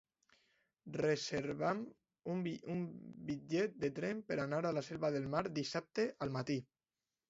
Reserva'm un bitllet de tren per anar a la Selva de Mar dissabte al matí.